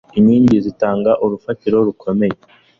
Inkingi zitanga urufatiro rukomeye.